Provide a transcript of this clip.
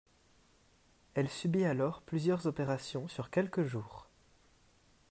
Elle subit alors plusieurs opérations sur quelques jours.